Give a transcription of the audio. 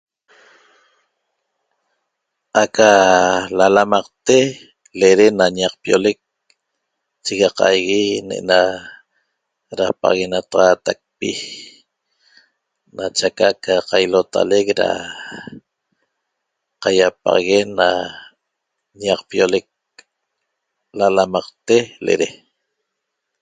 Aca lalamaqte lede na ñaqpiolec chigaqaigui ne'ena dapaxaguenataxaatacpi na nachaca ca qailotalec da qaiapaxaguen na ñapiolec lalamaqte lede